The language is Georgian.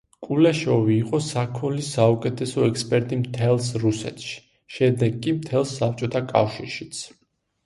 კულეშოვი იყო საქონლის საუკეთესო ექსპერტი მთელს რუსეთში, შემდეგ კი მთელ საბჭოთა კავშირშიც.